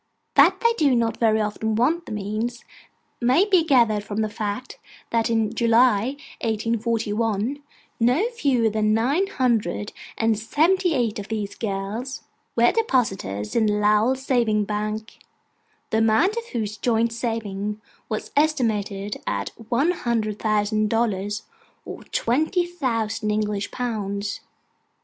That they do not very often want the means, may be gathered from the fact, that in July, 1841, no fewer than nine hundred and seventy eight of these girls were depositors in the Lowell Savings Bank: the amount of whose joint savings was estimated at one hundred thousand dollars, or twenty thousand English pounds.